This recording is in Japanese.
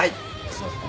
すいません。